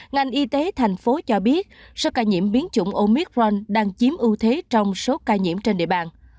ngành y tế thành phố cho biết số ca nhiễm biến chủng omic ron đang chiếm ưu thế trong số ca nhiễm trên địa bàn